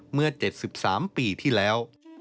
เมื่อ๗๓ปีที่แล้ว